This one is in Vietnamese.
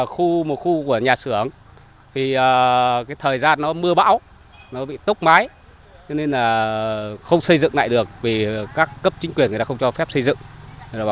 không xây dựng lại được vì các cấp chính quyền không cho phép xây dựng